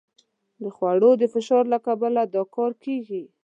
د خوړو د فشار له کبله دا کار کېږي.